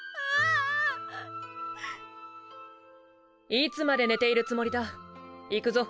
いつまで寝ているつもりだ行くぞ！